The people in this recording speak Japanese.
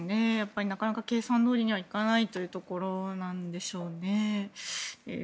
なかなか計算どおりにはいかないというところなんでしょうね。